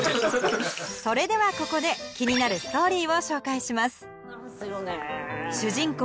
それではここで気になるストーリーを紹介します主人公